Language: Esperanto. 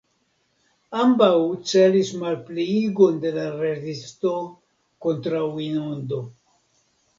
Ambaŭ celis malpliigon de la rezisto kontraŭinundo.